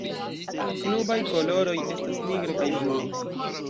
Klubaj koloroj estas nigro kaj bluo.